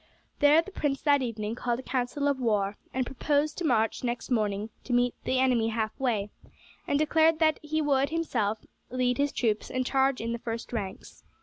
There the prince that evening called a council of war, and proposed to march next morning to meet the enemy halfway, and declared that he would himself lead his troops and charge in the first ranks.